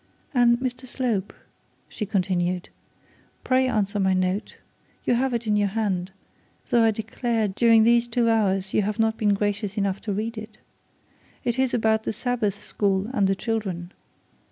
'And Mr Slope,' she continued, 'pray answer my note. You have it in your hand, though, I declare during these two hours you have not been gracious enough to read it. It is about the Sabbath school and the children.